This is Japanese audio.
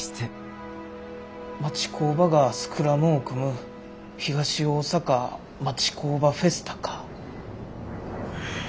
「町工場がスクラムを組む東大阪町工場フェスタ」か。